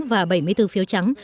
và bảy mươi bốn phiếu trắng